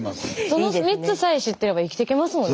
その３つさえ知ってれば生きてけますもんね